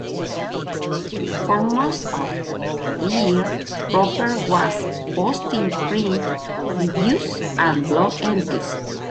For most of the year Roeper was posting print reviews and blog entries.